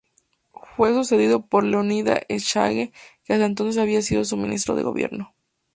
Fue sucedido por Leonidas Echagüe, que hasta entonces había sido su ministro de gobierno.